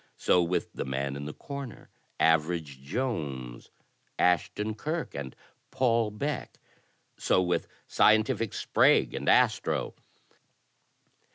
So with The Man in the Corner, Average Jones, Ashton Kirk and Paul Beck. So with Scientific Sprague and Astro.